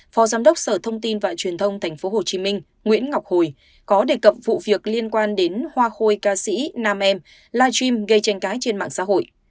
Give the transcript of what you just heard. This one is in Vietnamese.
phó giám đốc sở thông tin và truyền thông tp hcm nguyễn ngọc hồi có đề cập vụ việc liên quan đến hoa khôi ca sĩ nam em live stream gây tranh cãi trên mạng xã hội